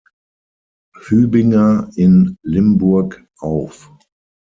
Hübinger, in Limburg auf.